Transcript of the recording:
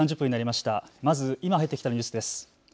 まず今入ってきたニュースです。